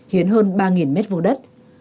hiến hơn ba m vô đất